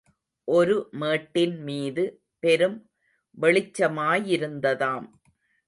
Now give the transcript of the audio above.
ஒரு மேட்டின் மீது பெரும் வெளிச்சமாயிருந்ததாம்.